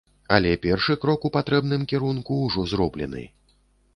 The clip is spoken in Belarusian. Але першы крок у патрэбным кірунку ўжо зроблены.